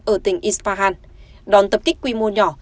ở tỉnh isfahan đón tập kích quy mô nhỏ